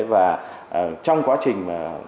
và trong quá trình